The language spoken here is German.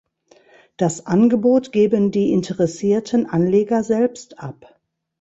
Das Angebot geben die interessierten Anleger selbst ab.